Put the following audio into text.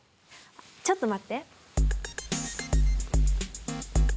ちょっと待って。